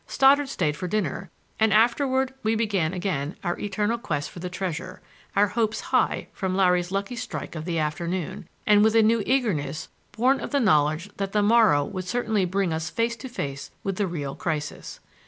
Stoddard stayed for dinner, and afterward we began again our eternal quest for the treasure, our hopes high from Larry's lucky strike of the afternoon, and with a new eagerness born of the knowledge that the morrow would certainly bring us face to face with the real crisis.